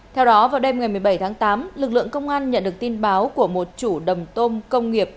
theo đó vào đêm ngày một mươi bảy tháng tám lực lượng công an nhận được tin báo của một chủ đầm tôm công nghiệp